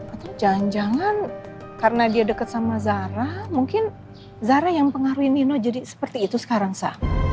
atau jangan jangan karena dia dekat sama zahra mungkin zara yang pengaruhi nino jadi seperti itu sekarang sah